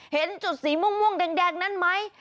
เห็นจุดสีม่วงแดงนั้นไหม